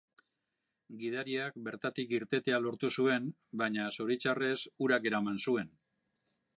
Gidariak bertatik irtetea lortu zuen, baina zoritxarrez, urak eraman zuen.